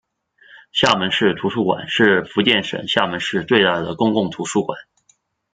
厦门市图书馆是福建省厦门市最大的公共图书馆。